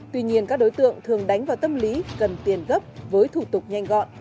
tuy nhiên các đối tượng thường đánh vào tâm lý cần tiền gấp với thủ tục nhanh gọn